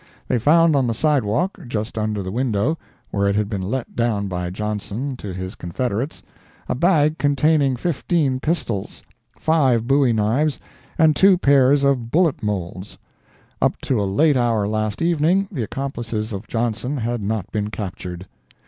They found on the sidewalk, just under the window, where it had been let down by Johnson to his confederates, a bag containing fifteen pistols, five bowie knives and two pairs of bullet moulds. Up to a late hour last evening, the accomplices of Johnson had not been captured.